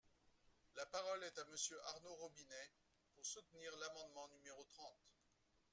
La parole est à Monsieur Arnaud Robinet, pour soutenir l’amendement numéro trente.